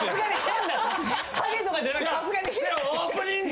ハゲとかじゃなくさすがに。